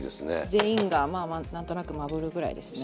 全員がまあ何となくまぶるぐらいですね。